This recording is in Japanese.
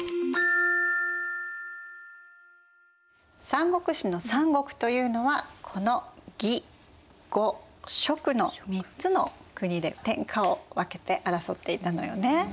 「三国志」の三国というのはこの魏呉蜀の３つの国で天下を分けて争っていたのよね。